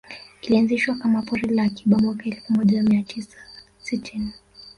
Ilianzishwa kama pori la akiba mwaka elfu moja mia tisa sitini